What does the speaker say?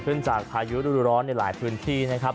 ขึ้นจากพายุดูร้อนในหลายพื้นที่นะครับ